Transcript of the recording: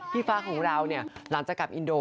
ฟ้าของเราเนี่ยหลังจากกลับอินโด